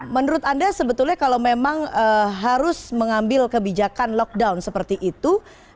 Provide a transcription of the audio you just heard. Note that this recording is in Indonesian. menurut anda sebetulnya kalau memang harus mengambil kebijakan lockdown seperti itu